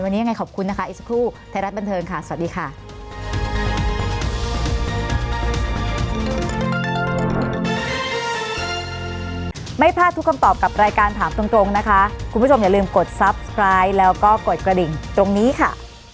วันนี้ยังไงขอบคุณนะคะอีกสักครู่ไทยรัฐบันเทิงค่ะสวัสดีค่ะ